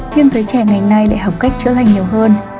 nhưng giới trẻ ngày nay lại học cách chữa lành nhiều hơn